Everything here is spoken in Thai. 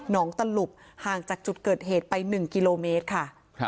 งตลุบห่างจากจุดเกิดเหตุไป๑กิโลเมตรค่ะ